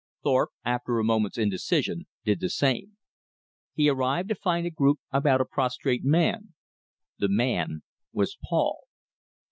Thorpe, after a moment's indecision, did the same. He arrived to find a group about a prostrate man. The man was Paul.